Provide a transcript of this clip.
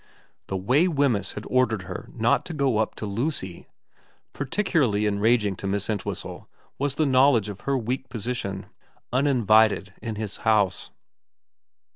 The way Wemyss had ordered her not to go up to Lucy. ... Particularly enraging to Miss Entwhistle was the knowledge of her weak position, uninvited in his house.